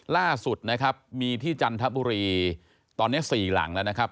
ล่าสุดนะครับมีที่จันทบุรีตอนนี้สี่หลังแล้วนะครับ